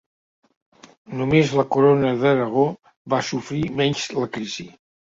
Només la Corona d'Aragó va sofrir menys la crisi.